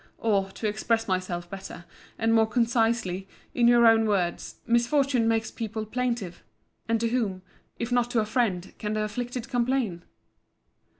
—Or, to express myself better, and more concisely, in your own words, misfortune makes people plaintive: And to whom, if not to a friend, can the afflicted complain?